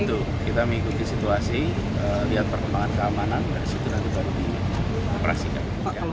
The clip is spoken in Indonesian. tentu kita mengikuti situasi lihat perkembangan keamanan dari situ nanti baru dioperasikan